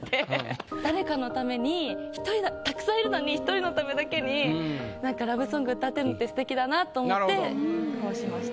誰かのためにたくさんいるのに１人のためだけになんかラブソング歌ってるのってすてきだなと思ってこうしました。